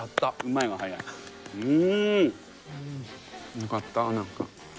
よかった何か。